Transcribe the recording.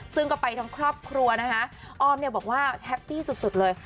ซึ่งก็ไปทั้งครอบครัวนะคะออมเนี่ยบอกว่าแฮปปี้สุดเลย